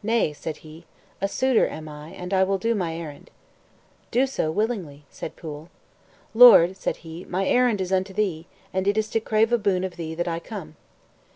"Nay," said he, "a suitor am I, and I will do my errand." "Do so willingly," said Pwyll. "Lord," said he, "my errand is unto thee, and it is to crave a boon of thee that I come."